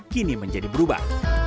kini menjadi berubah